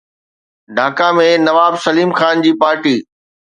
ڍاڪا ۾ نواب سليم خان جي پارٽي